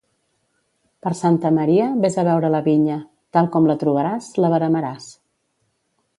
Per Santa Maria, ves a veure la vinya; tal com la trobaràs, la veremaràs.